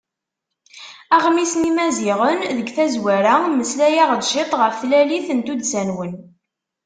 Aɣmis n yimaziɣen: Deg tazwara, mmeslaɣ-d ciṭ ɣef tlalit n tuddsa-nwen.